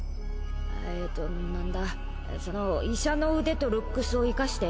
えとなんだその医者の腕とルックスを生かして？